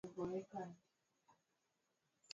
Baraza la Umoja wa Mataifa lilitangaza jambo hilo